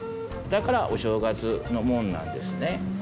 だからお正月のもんなんですね。